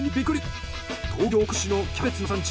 東京屈指のキャベツの生産地